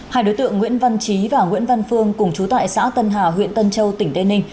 hai đối tượng nguyễn văn trí và nguyễn văn phương cùng chú tại xã tân hà huyện tân châu tỉnh tây ninh